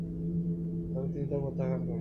তবে তিনি তা প্রত্যাখ্যান করেন।